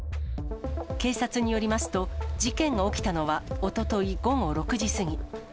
警察によりますと、事件が起きたのは、おととい午後６時過ぎ。